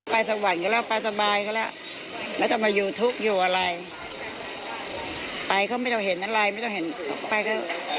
ไม่ต้องเห็นอะไรไม่ต้องเห็นไปก็